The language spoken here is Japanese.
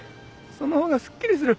そのほうがすっきりする。